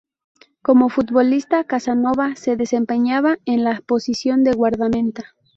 Como futbolista, Casanova se desempeñaba en la posición de guardameta.